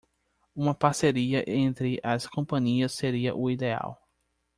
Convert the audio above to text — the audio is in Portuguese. Uma parceria entre as companias seria o ideal.